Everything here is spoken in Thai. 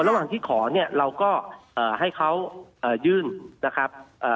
ระหว่างที่ขอเนี่ยเราก็เอ่อให้เขาเอ่อยื่นนะครับเอ่อ